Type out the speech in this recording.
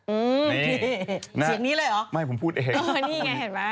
อืมนี่เสียงนี้เลยเหรอไม่ผมพูดเองเออนี่ไงเห็นไหม